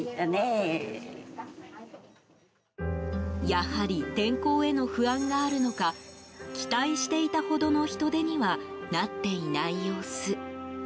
やはり天候への不安があるのか期待していたほどの人出にはなっていない様子。